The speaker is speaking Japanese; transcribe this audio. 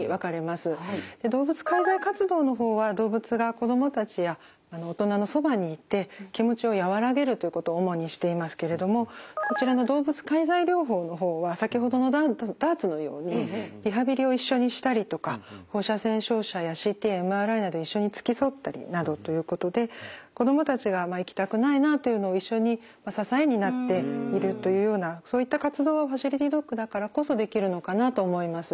動物介在活動の方は動物が子供たちや大人のそばにいて気持ちを和らげるということを主にしていますけれどもこちらの動物介在療法の方は先ほどのダーツのようにリハビリを一緒にしたりとか放射線照射やＣＴやＭＲＩなど一緒に付き添ったりなどということで子供たちが行きたくないなというのを一緒に支えになっているというようなそういった活動はファシリティドッグだからこそできるのかなと思います。